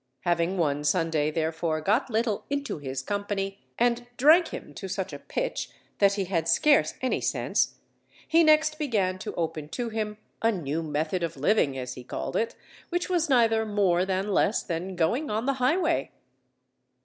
Having one Sunday, therefore, got Little into his company and drank him to such a pitch that he had scarce any sense, he next began to open to him a new method of living, as he called it, which was neither more than less than going on the highway.